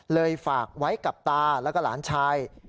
ฝากไว้กับตาแล้วก็หลานชาย